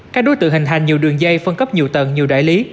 các đối tượng hình thành nhiều đường dây phân cấp nhiều tầng nhiều đại lý